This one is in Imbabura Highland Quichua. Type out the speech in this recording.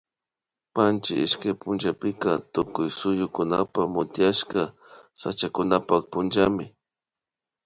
Panchi ishkay punllapika Tukuy suyupak motiashka sachakunapak punllami